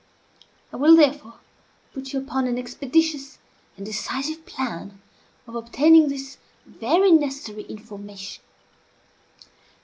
I will therefore put you upon an expeditious and decisive plan of obtaining this very necessary information.